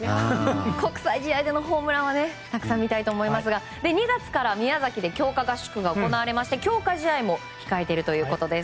国際試合でのホームランたくさん見たいと思いますが２月から宮崎で強化合宿が行われまして強化試合も控えているということです。